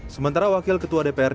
sementara wakil ketua dki jakarta